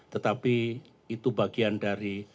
tetapi itu bagian dari